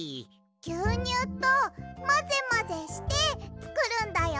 ぎゅうにゅうとまぜまぜしてつくるんだよ。